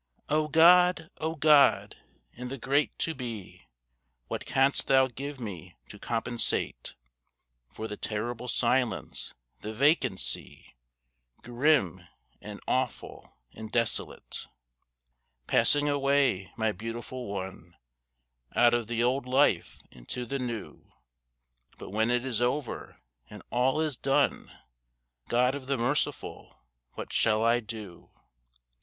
O God! O God! in the great To Be What canst Thou give me to compensate For the terrible silence, the vacancy, Grim, and awful, and desolate? Passing away, my beautiful one, Out of the old life into the new. But when it is over, and all is done, God of the Merciful, what shall I do?